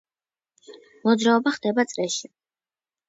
მოძრაობა ხდება წრეში.